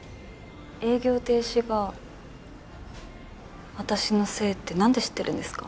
営業停止が私のせいってなんで知ってるんですか？